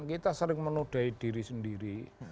kita sering menodai diri sendiri